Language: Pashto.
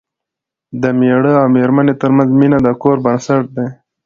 د مېړه او مېرمنې ترمنځ مینه د کور بنسټ دی.